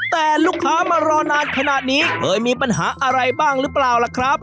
แต่ลูกค้ามารอนานขนาดนี้เคยมีปัญหาอะไรบ้างหรือเปล่าล่ะครับ